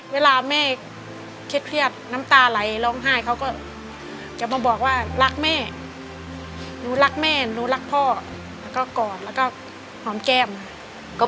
เวลาแม่เครียดนำตาไหลร้องห้าของเขาก็